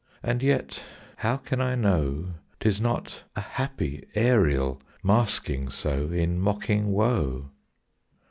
And yet how can I know 'T is not a happy Ariel masking so In mocking woe?